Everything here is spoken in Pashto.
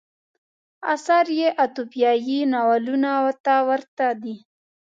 اثر یې اتوپیایي ناولونو ته ورته دی.